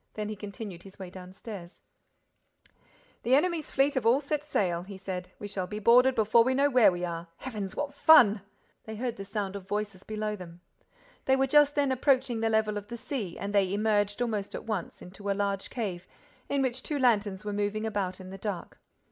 Then he continued his way downstairs: "The enemy's fleet have set all sail," he said. "We shall be boarded before we know where we are. Heavens, what fun!" They heard the sound of voices below them. They were just then approaching the level of the sea and they emerged, almost at once, into a large cave into which two lanterns were moving about in the dark.